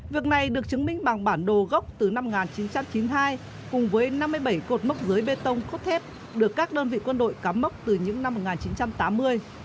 việc này được chứng minh bằng bản đồ gốc từ năm một nghìn chín trăm chín mươi hai cùng với năm mươi bảy cột mốc dưới bê tông cốt thép được các đơn vị quân đội cắm mốc từ những năm một nghìn chín trăm tám mươi